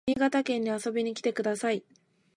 新潟県に遊びに来てください